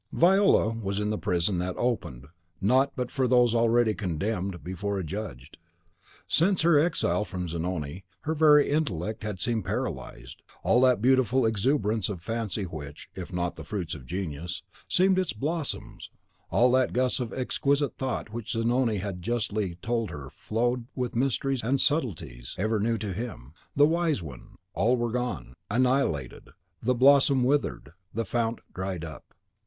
Viola was in the prison that opened not but for those already condemned before adjudged. Since her exile from Zanoni, her very intellect had seemed paralysed. All that beautiful exuberance of fancy which, if not the fruit of genius, seemed its blossoms; all that gush of exquisite thought which Zanoni had justly told her flowed with mysteries and subtleties ever new to him, the wise one, all were gone, annihilated; the blossom withered, the fount dried up.